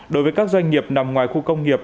đối với các doanh nghiệp nằm ngoài khu công nghiệp